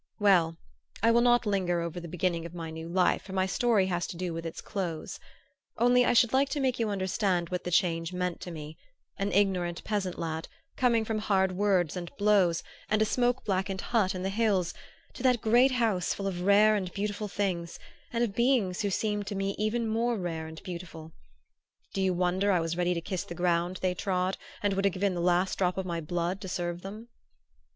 Well I will not linger over the beginning of my new life for my story has to do with its close. Only I should like to make you understand what the change meant to me an ignorant peasant lad, coming from hard words and blows and a smoke blackened hut in the hills to that great house full of rare and beautiful things, and of beings who seemed to me even more rare and beautiful. Do you wonder I was ready to kiss the ground they trod, and would have given the last drop of my blood to serve them?